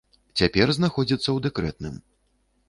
Цяпер знаходзіцца ў дэкрэтным.